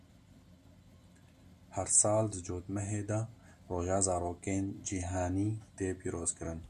Her sal di cotmehê de Roja Zarokên Cîhanî tê pîrozkirin.